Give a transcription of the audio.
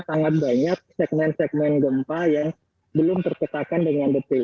sangat banyak segmen segmen gempa yang belum terpetakan dengan detail